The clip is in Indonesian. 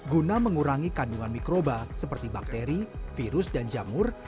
guna mengurangi kandungan mikroba seperti bakteri virus dan jamur